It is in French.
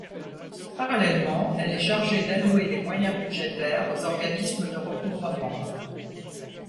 Parallèlement, elle est chargée d’allouer les moyens budgétaires aux organismes de recouvrement.